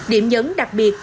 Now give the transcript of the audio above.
điểm nhấn đặc biệt